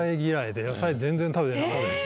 野菜全然食べてなかったです。